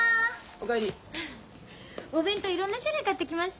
お弁当いろんな種類買ってきました。